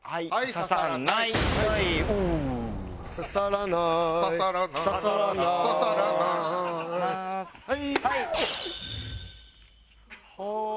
はいはい。